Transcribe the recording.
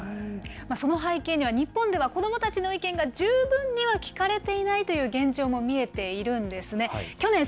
その背景には、日本では子どもたちの意見が十分には聞かれていないという現状も見えているんですね。